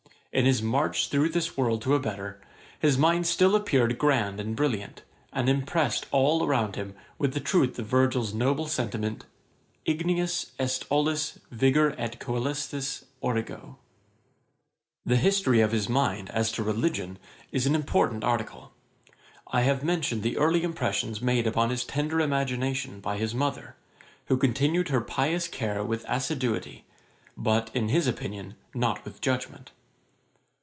In his march through this world to a better, his mind still appeared grand and brilliant, and impressed all around him with the truth of Virgil's noble sentiment 'Igneus est ollis vigor et coelestis origo.' [Page 67: His reluctance to go to church. Ætat 20.] The history of his mind as to religion is an important article. I have mentioned the early impressions made upon his tender imagination by his mother, who continued her pious care with assiduity, but, in his opinion, not with judgement.